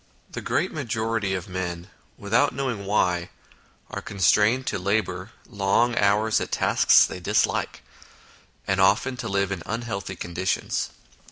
The great majority of men, without knowing why, are constrained to labour long hours at tasks they dislike, and often to live in unhealthy conditions.